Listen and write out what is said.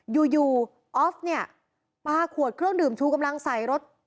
อยู่อยู่ออฟเนี่ยปลาขวดเครื่องดื่มชูกำลังใส่รถ